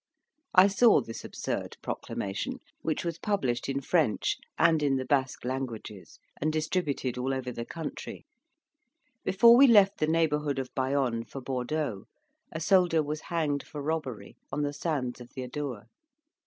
I saw this absurd proclamation, which was published in French and in the Basque languages, and distributed all over the country. Before we left the neighbourhood of Bayonne for Bordeaux, a soldier was hanged for robbery, on the sands of the Adour.